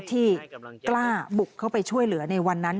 ที่กล้าบุกเข้าไปช่วยเหลือในวันนั้น